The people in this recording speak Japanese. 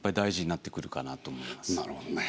なるほどね。